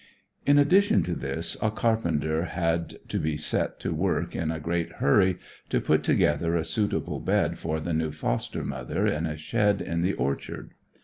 In addition to this, a carpenter had to be set to work in a great hurry to put together a suitable bed for the new foster mother in a shed in the orchard.